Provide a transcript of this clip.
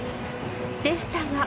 でしたが。